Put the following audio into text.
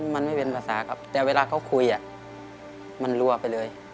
มันไม่เป็นภาษาครับแต่เวลาเขาคุยมันรัวไปเลย